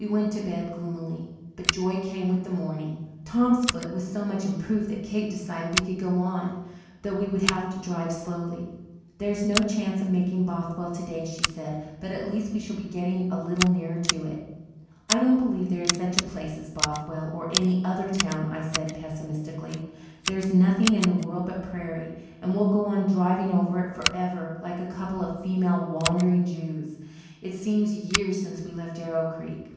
We went to bed gloomily, but joy came with the morning. Tom's foot was so much improved that Kate decided we could go on, though we would have to drive slowly. "There's no chance of making Bothwell today," she said, "but at least we shall be getting a little nearer to it." "I don't believe there is such a place as Bothwell, or any other town," I said pessimistically. "There's nothing in the world but prairie, and we'll go on driving over it forever, like a couple of female Wandering Jews. It seems years since we left Arrow Creek."